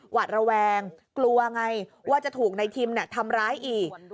หวาดระแวงกลัวไงว่าจะถูกนายทิมทำร้ายอีก